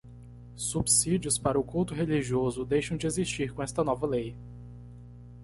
Subsídios para o culto religioso deixam de existir com esta nova lei.